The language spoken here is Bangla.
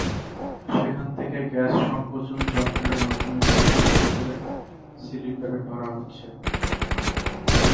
সেখান থেকে গ্যাস সংকোচন যন্ত্রের মাধ্যমে সংকুচিত করে সিলিন্ডারে ভরা হচ্ছে।